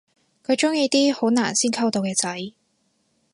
佢鍾意啲好難先溝到嘅仔